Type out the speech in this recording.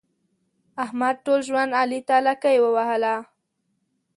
احمد ټول ژوند علي ته لکۍ ووهله.